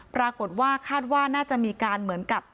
ปรากฏว่าคาดว่าน่าจะมีการเหมือนกับ